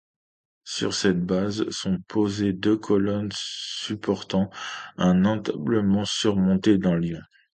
Sur cette base sont posées deux colonnes supportant un entablement surmonté d'un lion.